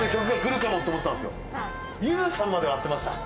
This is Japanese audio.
ゆずさんまでは合ってました。